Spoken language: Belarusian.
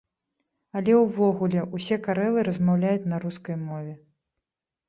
Але ўвогуле, усе карэлы размаўляюць на рускай мове.